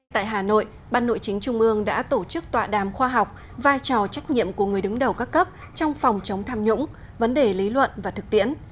tại hà nội ban nội chính trung ương đã tổ chức tọa đàm khoa học vai trò trách nhiệm của người đứng đầu các cấp trong phòng chống tham nhũng vấn đề lý luận và thực tiễn